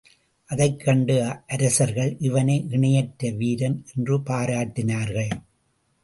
அதைக்கண்டு அரசர்கள் இவனை இணையற்ற வீரன் என்று பாராட்டினார்கள்.